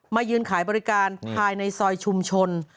ยืนขายบริการภายในซอยชุมชน